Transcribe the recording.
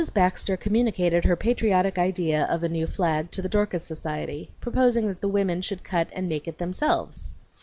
Baxter communicated her patriotic idea of a new flag to the Dorcas Society, proposing that the women should cut and make it themselves.